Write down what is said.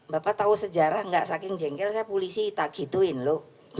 bapak tahu sejarah nggak saking jengkel saya polisi tak gituin loh